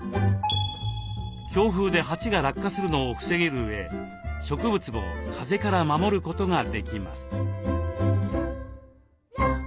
強風で鉢が落下するのを防げるうえ植物も風から守ることができます。